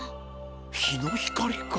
日の光か。